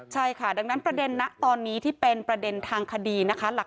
ใช่ค่ะดังนั้นประเด็นนะตอนนี้ที่เป็นประเด็นทางคดีนะคะ